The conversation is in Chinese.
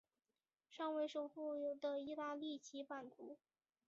尚未收复的意大利其版图。